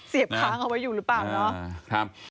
ค้างเอาไว้อยู่หรือเปล่าเนาะ